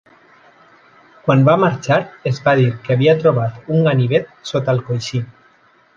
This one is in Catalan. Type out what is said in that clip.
Quan va marxar, es va dir que havia trobat un ganivet sota el coixí.